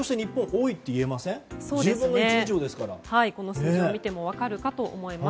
数字を見ても分かるかと思います。